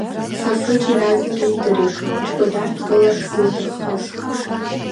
Сафыџь иаразнак идырит Џьгәадар дгыларц зиҭаххаз.